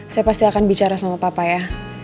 saya pasti akan bicara sama papa ya